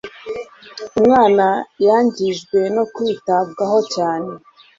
Umwana yangijwe no kwitabwaho cyane.